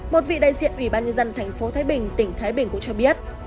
một vị đại diện ủy ban nhân dân tp thái bình tỉnh thái bình cũng cho biết